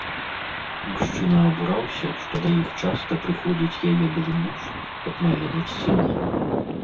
Мужчына абураўся, што да іх часта прыходзіць яе былы муж, каб наведаць сына.